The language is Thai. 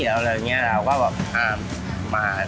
แล้วเราก็แบบอ่ามา